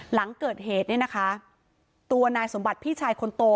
หลังเกิดเหตุเนี่ยนะคะตัวนายสมบัติพี่ชายคนโต